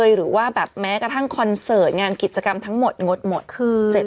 หรือแม้กระทั่งคอนเสิร์ตงานกิจกรรมทั้งหมดงดหมด๗วัน